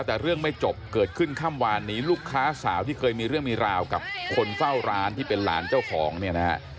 น่าเห็นใจงานเพราะน่ะเสียชื่อนะคะ